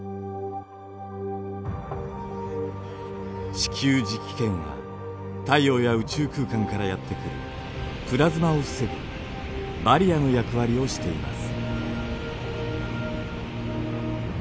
地球磁気圏は太陽や宇宙空間からやって来るプラズマを防ぐバリアの役割をしています。